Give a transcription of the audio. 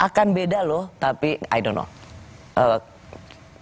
akan beda loh tapi ayodom koreksi aku kalau salah kalau nggak diandalkan